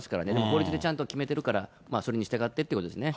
法律でちゃんと決めてるから、まあそれに従ってってことですね。